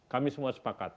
kami semua sepakat